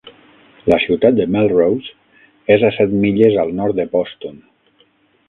La ciutat de Melrose és a set milles al nord de Boston.